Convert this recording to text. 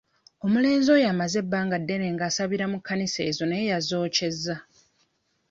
Omulenzi oyo amaze ebbanga ddene ng'asabira mu kkanisa ezo naye yazookyezza.